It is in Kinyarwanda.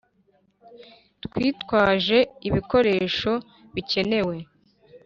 twitwaje ibikoresho bikenewe